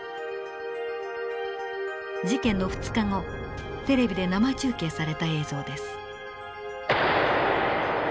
事件の２日後テレビで生中継された映像です。